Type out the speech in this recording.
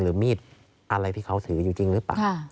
มีดอะไรที่เขาถืออยู่จริงหรือเปล่า